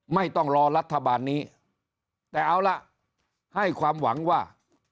ไม่ต้องรอรัฐบาลนี้แต่เอาล่ะให้ความหวังว่า